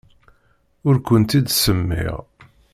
Ur kent-id-ttsemmiɣ.